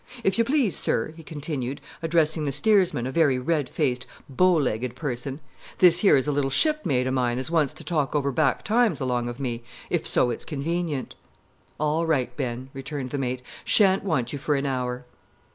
If you please, sir," he continued, addressing the steersman, a very red faced, bow legged person, "this here is a little shipmate o' mine as wants to talk over back times along of me, if so it's convenient." "All right, Ben," returned the mate; "sha'n't want you for an hour."